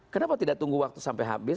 kenapa tidak tunggu waktu sampai habis